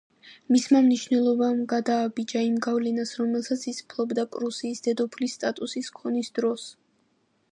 მისმა მნიშვნელობამ, გადააბიჯა იმ გავლენას, რომელსაც ის ფლობდა პრუსიის დედოფლის სტატუსის ქონის დროს.